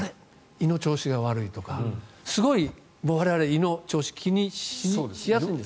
胃の調子が悪いとかすごい、我々は胃の調子を気にしやすいんです。